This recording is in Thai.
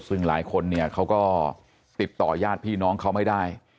ซึ่งหลายคนเนี่ยเขาก็ติดต่อยาดพี่น้องเขาไม่ได้